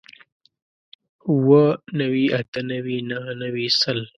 اووه نوي اتۀ نوي نهه نوي سل